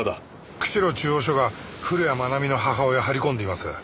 釧路中央署が古谷愛美の母親を張り込んでいます。